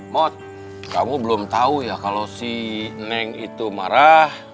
mot kamu belum tahu ya kalau si neng itu marah